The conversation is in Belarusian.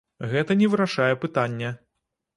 Гэта не вырашае пытання.